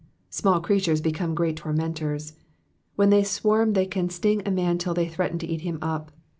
' Small creatures become great tormentors. When they swarm they can sting a man till they threaten to eat him up.